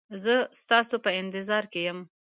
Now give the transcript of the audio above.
زه ستاسو په انتظار کې یم